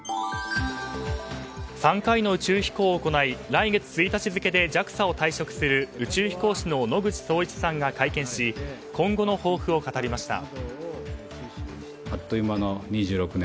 ３回の宇宙飛行を行い来月１日付でＪＡＸＡを退職する宇宙飛行士の野口聡一さんが会見し今後の抱負を語りました。